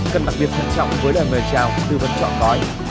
cần đặc biệt quan trọng với lời mời chào của thư vấn chọn gói